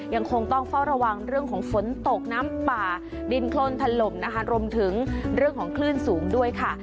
ยังคงต้องเฝ้าระวังเรื่องของฝนตกน้ำป่าดินโครนถล่มนะคะรวมถึงเรื่องของคลื่นสูงด้วยค่ะ